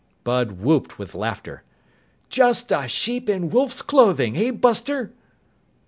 Bud whooped with laughter. "Just a sheep in wolf's clothing, eh, buster?"